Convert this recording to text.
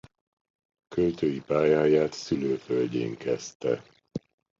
Költői pályáját szülőföldjén kezdte.